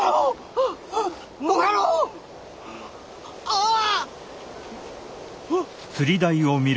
ああ！